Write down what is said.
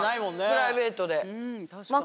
プライベートで。